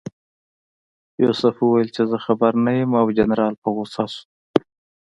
یوسف وویل چې زه خبر نه یم او جنرال په غوسه شو.